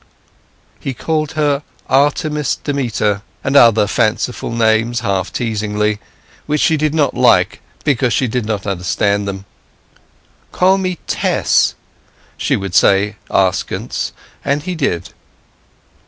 He called her Artemis, Demeter, and other fanciful names half teasingly, which she did not like because she did not understand them. "Call me Tess," she would say askance; and he did.